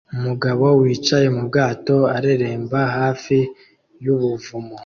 Umugabo wicaye mu bwato areremba hafi y'ubuvumo